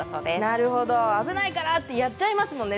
なるほど「危ないから！」ってやっちゃいますもんね